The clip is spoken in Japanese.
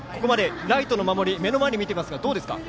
ライト守り目の前で見ていますがどうですか。